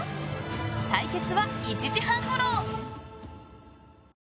対決は１時半ごろ！